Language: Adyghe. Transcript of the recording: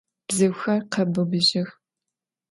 Bzıuxer khebıbıjıx.